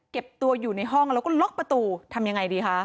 เก็บตัวอยู่ในห้องแล้วก็ล็อกประตูทำยังไงดีคะ